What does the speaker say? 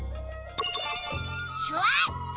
シュワッチ！